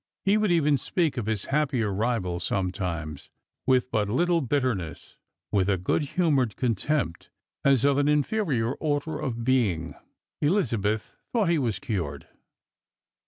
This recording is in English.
He would even speak of his happier rival sometimes, with but little bitterness, with a good humoured contempt, as of an inferior order of being. Elizabeth thought he was cured.